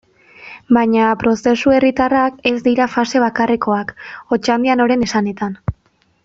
Baina prozesu herritarrak ez dira fase bakarrekoak, Otxandianoren esanetan.